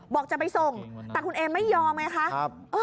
บอกจะไปส่งแต่คุณเอมไม่ยอมไงคะ